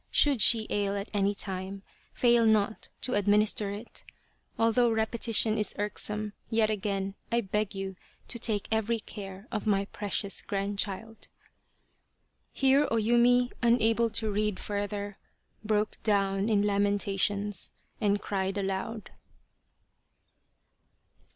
Should she ail at any time, fail not to administer it. Although repetition is irksome, yet again I beg you to take every care of my precious grandchild." Here O Yumi, unable to read further, broke down in lamentations and cried aloud.